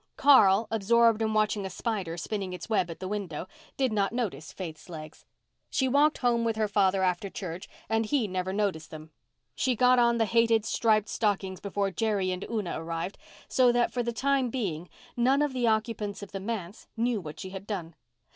Carl, absorbed in watching a spider spinning its web at the window, did not notice Faith's legs. She walked home with her father after church and he never noticed them. She got on the hated striped stockings before Jerry and Una arrived, so that for the time being none of the occupants of the manse knew what she had done.